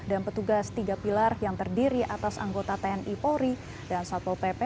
dan petugas tiga pilar yang terdiri atas anggota tni polri dan satpol pp